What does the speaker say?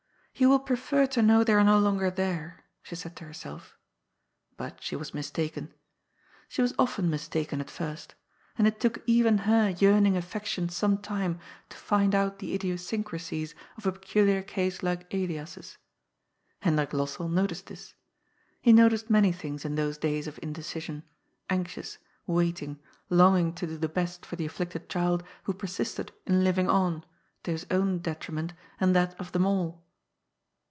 " He will prefer to know they are no longer there," she said to herself. But she was mistaken. She was often mistaken at first ; and it took even her yearning affection some time to find out the idiosyncrasies of a peculiar case like Elias's. Hendrik Lossell noticed this. He noticed many things in those days of indecision, anxious, waiting, longing to do the best for the afflicted child who persisted in living on, to his own detriment and that of them all.